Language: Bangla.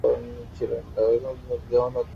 যথাকালে নূতন দেহ ও নূতন মস্তিষ্ক নির্মিত হয়।